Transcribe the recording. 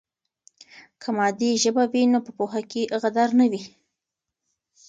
که مادي ژبه وي نو په پوهه کې غدر نه وي.